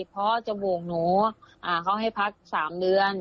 เพราะจมูกหนูเขาให้พัก๓เดือน